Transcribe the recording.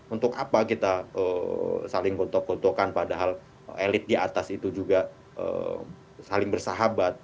untuk apa kita saling gotok gotokan padahal elit di atas itu juga saling bersahabat